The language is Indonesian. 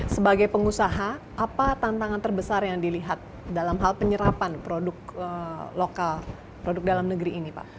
sebagai pengusaha apa tantangan terbesar yang dilihat dalam hal penyerapan produk lokal produk dalam negeri ini pak